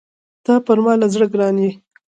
ته پر ما له زړه ګران يې!